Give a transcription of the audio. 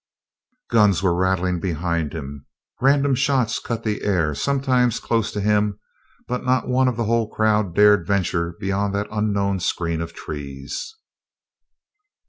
Guns were rattling behind him; random shots cut the air sometimes close to him, but not one of the whole crowd dared venture beyond that unknown screen of trees.